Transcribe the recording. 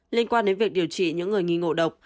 liên quan đến việc điều trị những người nghi ngộ độc